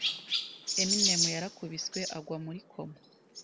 Eminem yarakubiswe agwa muri coma.